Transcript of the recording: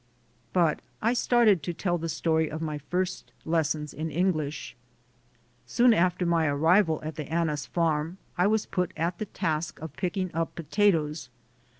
But I started to tell the story of my first lessons in English. Soon after my arrival at the Annis I GO TO JAIL 109 farm, I was put at the task of picking up potatoes.